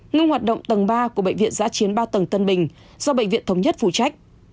ngưng hoạt động tầng ba của bệnh viện giã chiến ba tầng tân bình do bệnh viện thống nhất phụ trách